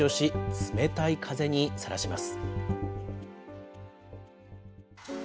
冷たい風にさらします。